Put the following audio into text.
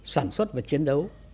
sản xuất và chiến đấu